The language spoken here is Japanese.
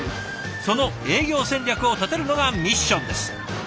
その営業戦略を立てるのがミッションです。